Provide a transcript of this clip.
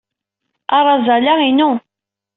Arazal-a inu.